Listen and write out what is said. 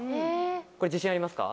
これ自信ありますか？